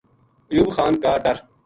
ایوب خان کا ڈر